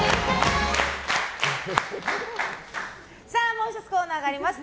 もう１つ、コーナーがあります。